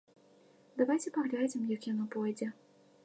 Давайце паглядзім, як яно пойдзе.